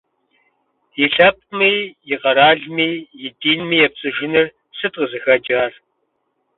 И лъэпкъми, и къэралми, и динми епцӀыжыныр сыт къызыхэкӀар?